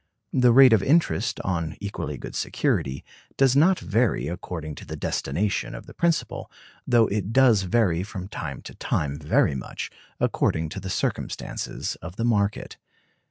The rate of interest, on equally good security, does not vary according to the destination of the principal, though it does vary from time to time very much, according to the circumstances of the market.